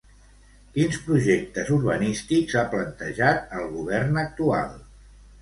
Quins projectes urbanístics ha plantejat el govern actual?